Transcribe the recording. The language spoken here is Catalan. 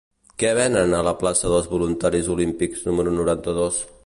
Què venen a la plaça dels Voluntaris Olímpics número noranta-dos?